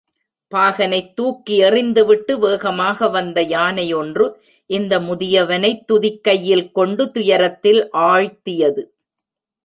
பாகனைத் தூக்கி எறிந்து விட்டு வேகமாக வந்த யானை ஒன்று இந்த முதியவனைத் துதிக்கையில் கொண்டு துயரத்தில் ஆழ்த்தியது.